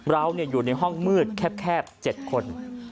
เราอยู่ในห้องมืดแคบ๗คน